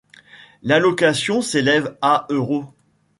L'allocation s'élève à €.